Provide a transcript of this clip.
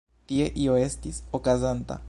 Tie io estis okazanta.